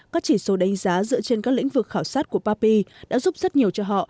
các chỉ số đánh giá dựa trên các lĩnh vực khảo sát của papi đã giúp rất nhiều cho họ